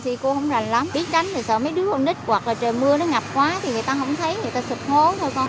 thì cô không rành lắm biết tránh thì sợ mấy đứa con nít hoặc là trời mưa nó ngập quá thì người ta không thấy người ta sụp hố thôi con